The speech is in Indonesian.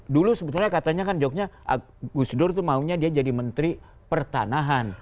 dulu sebetulnya katanya kan jokowi gus dur maunya dia jadi menteri pertanahan